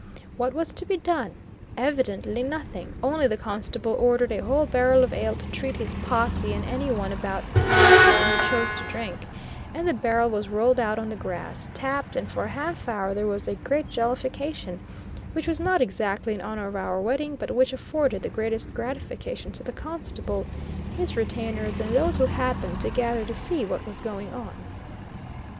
What was to be done? evidently nothing; only the constable ordered a whole barrel of ale to treat his posse and any one about tire town who chose to drink, and the barrel was rolled out on the grass, tapped, and for a half hour there was a great jollification, which was not exactly in honor of our wedding, but which afforded the greatest gratification to the constable, his retainers, and those who happened to gather to see what was going on.